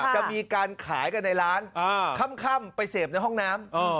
จะมีการขายกันในร้านค่ำไปเสพในห้องน้ำ